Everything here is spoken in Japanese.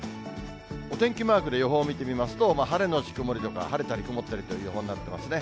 お天気マークで予報を見てみますと、晴れ後曇りとか、晴れたり曇ったりという予報になってますね。